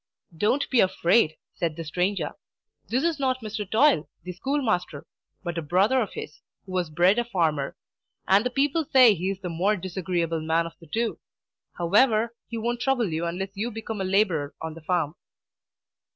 "Don't be afraid," said the stranger. "This is not Mr. Toil, the schoolmaster, but a brother of his, who was bred a farmer; and the people say he is the more disagreeable man of the two. However, he won't trouble you unless you become a labourer on the farm."